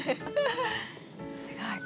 すごい。